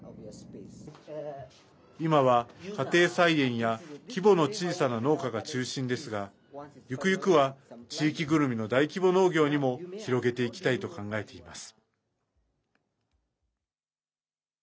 今は、家庭菜園や規模の小さな農家が中心ですがゆくゆくは地域ぐるみの大規模農業にも広げていきたいと考えています。